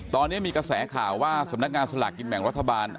ตอนนี้มีกระแสข่าวว่าสำนักงานสลากกินแบ่งรัฐบาล